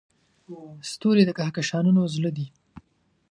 ستوري د کهکشانونو زړه دي.